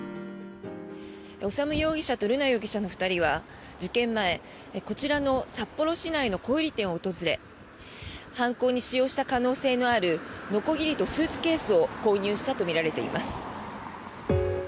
修容疑者と瑠奈容疑者の２人は事件前、こちらの札幌市内の小売店を訪れ犯行に使用した可能性のあるのこぎりとスーツケースを購入したとみられています。